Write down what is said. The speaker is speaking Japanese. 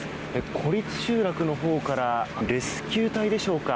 孤立集落のほうからレスキュー隊でしょうか。